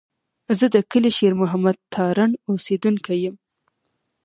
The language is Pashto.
زه د کلي شېر محمد تارڼ اوسېدونکی یم.